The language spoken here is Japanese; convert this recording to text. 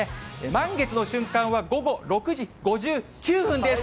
満月の瞬間は、午後６時５９分です。